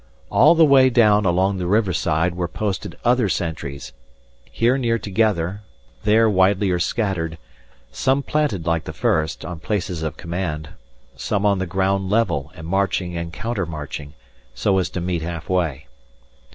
All the way down along the river side were posted other sentries; here near together, there widelier scattered; some planted like the first, on places of command, some on the ground level and marching and counter marching, so as to meet half way.